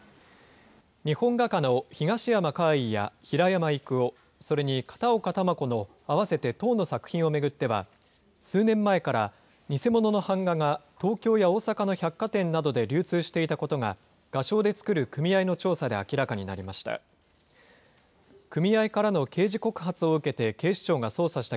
日本画家の東山魁夷や平山郁夫、それに片岡球子の合わせて１０の作品を巡っては、数年前から偽物の版画が東京や大阪の百貨店などで流通していたことが、画商で作る組合の調査で明らかになりました。